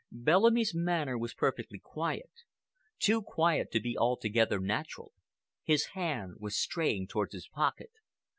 Bellamy's manner was perfectly quiet—too quiet to be altogether natural. His hand was straying towards his pocket.